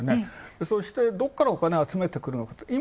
そしてどこからお金を集めてくるのかと。